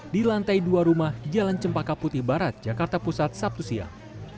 di lantai dua rumah jalan cempaka putih barat jakarta pusat sabtu siang